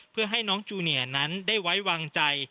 เพื่อให้น้องจูเนียนั้นได้ไว้วางใจ